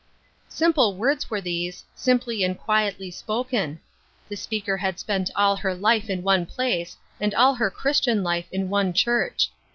Simple words were these, simply and quietly spoken. The speaker had spent all her life in one place and all her Christian life in one church.